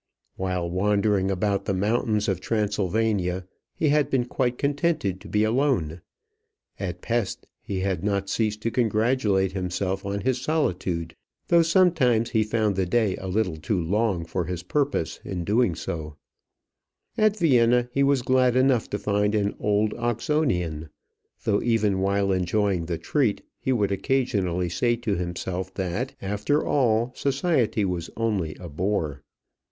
While wandering about the mountains of Transylvania, he had been quite contented to be alone: at Pesth he had not ceased to congratulate himself on his solitude, though sometimes he found the day a little too long for his purpose in doing so; at Vienna he was glad enough to find an old Oxonian; though, even while enjoying the treat, he would occasionally say to himself that, after all, society was only a bore.